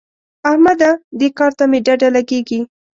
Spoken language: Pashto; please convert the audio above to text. احمده! دې کار ته مې ډډه لګېږي.